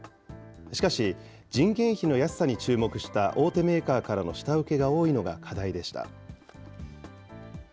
しかし、人件費の安さに注目した大手メーカーからの下請けが多いのが課題でした。